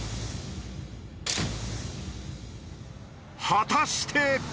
果たして。